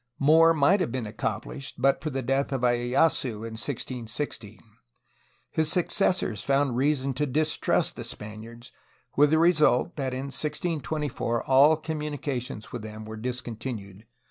More might have been accomplished, but for the death of lyeyasu in 1616. His successors found reason to distrust the Spaniards, with the result that in 1624 all com munications with them were discontinued.